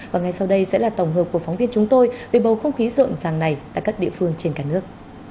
và ngay sau đây sẽ là tổng hợp của phóng viên chúng tôi về bầu không khí rộn ràng này tại các địa phương trên cả nước